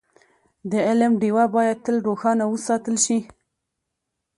د علم ډېوه باید تل روښانه وساتل شي.